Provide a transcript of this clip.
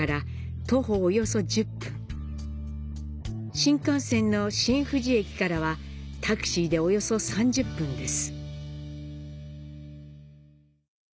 新幹線の新富士駅からはタクシーで約３０分です。